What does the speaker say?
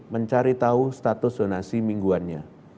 mencari tahu status zonasi mingguannya